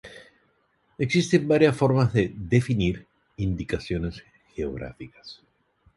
Existen varias formas de definir indicaciones geográficas.